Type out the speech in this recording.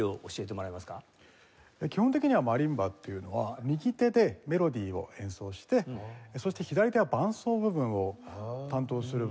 基本的にはマリンバというのは右手でメロディを演奏してそして左手は伴奏部分を担当する場合が多いんですよね。